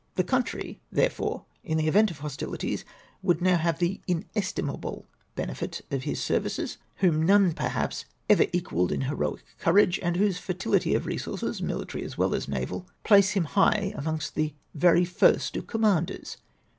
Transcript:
The country, therefore, in the event of hostilities, would now have the inestimable benefit of his services, whom none per haps ever equalled in heroic courage, and whose fertility of resources, military as well as naval, place him high amongst the very first of commanders.